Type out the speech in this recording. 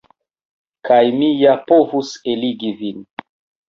Kaj mi ja povus eligi vin.